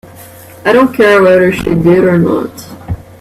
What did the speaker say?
I don't care whether she did or not.